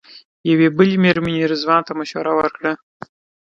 یوې بلې مېرمنې رضوان ته مشوره ورکړه.